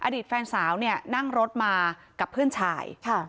อดีตแฟนสาวเนี่ยนั่งรถมากับเพื่อนชาย